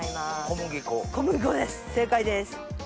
小麦粉です正解です。